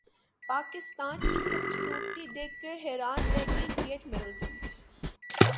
پاکستان کی خوبصورتی دیکھ کر حیران رہ گئی کیٹ مڈلٹن